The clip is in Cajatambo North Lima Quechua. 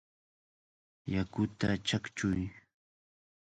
¡Yakuta chaqchuy!